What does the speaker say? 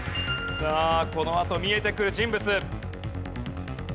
さあこのあと見えてくる人物。